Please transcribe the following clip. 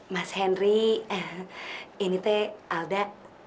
mas henry ini teh alda